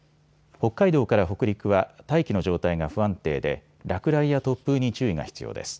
北海道から北陸は大気の状態が不安定で落雷や突風に注意が必要です。